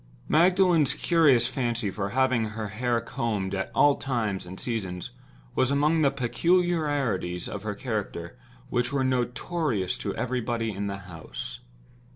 Magdalen's curious fancy for having her hair combed at all times and seasons was among the peculiarities of her character which were notorious to everybody in the house.